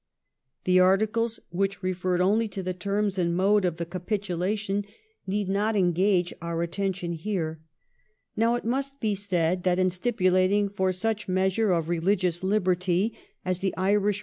The articles which referred only to the terms and mode of the capitulation need not engage our attention here. Now, it must be said that in stipulating for such measure 1691 'THE VIOLATED TREATY/ 207 of religious liberty as tlie Irish.